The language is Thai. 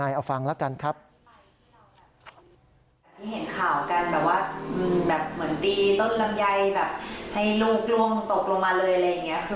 ก็อยากให้กำลังใจพี่น้องชาวสวดเนาะ